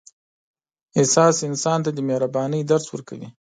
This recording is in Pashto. احساس انسان ته د مهربانۍ درس ورکوي.